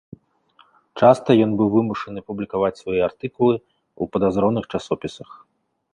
Часта ён быў вымушаны публікаваць свае артыкулы ў падазроных часопісах.